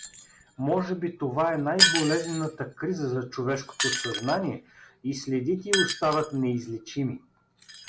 Може би това е най-болезнената криза за човешкото съзнание и следите й остават неизличими.